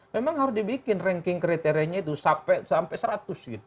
memang harus dibikin ranking kriterianya itu sampai seratus gitu